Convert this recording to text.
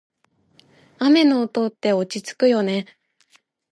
雨の音って落ち着くよね。